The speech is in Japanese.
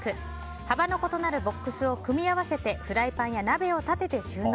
幅の異なるボックスを組み合わせてフライパンや鍋を立てて収納。